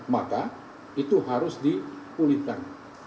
maka itu harus dipulihkan